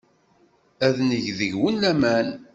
Ad neg deg-wen laman.